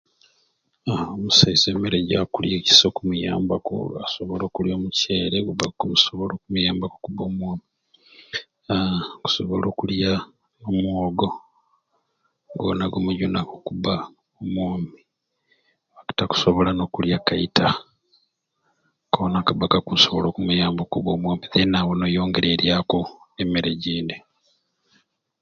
Haa omusaiza emere gyakula okusai okumuyambaku akusobola okulya omucere kuba gukusobola okumuyanbaku okuba omwomi haaa akusobola okulya omwogo gwona gumugunaku okuba omwomi ate akusobola nokulya akaita kona kakusobola okumuyambaku okuba omwomi then awo n'oyongeryaku emere egyindi